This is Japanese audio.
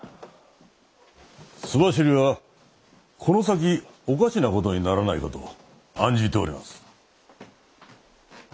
州走りはこの先おかしな事にならないかと案じております。